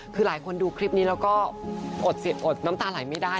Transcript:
คือหลายคนดูคลิปนี้แล้วก็อดเสียดอดน้ำตาไหลไม่ได้